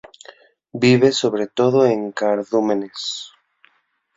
Vive sobre todo en cardúmenes.